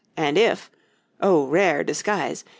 And if oh, rare disguise!